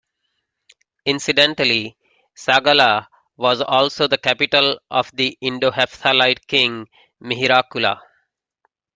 Incidentally, Sagala was also the capital of the Indo-Hepthalite King Mihirakula.